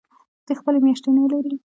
دوی خپلې میاشتې لري.